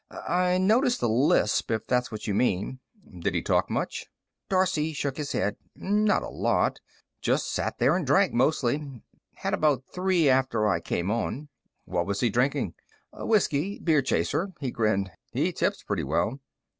"I noticed the lisp, if that's what you mean." "Did he talk much?" Darcey shook his head. "Not a lot. Just sat there and drank, mostly. Had about three after I came on." "What was he drinking?" "Whisky. Beer chaser." He grinned. "He tips pretty well."